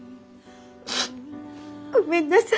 ごめんなさい。